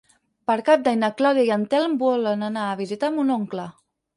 Per Cap d'Any na Clàudia i en Telm volen anar a visitar mon oncle.